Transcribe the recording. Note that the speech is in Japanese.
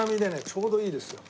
ちょうどいいですよ。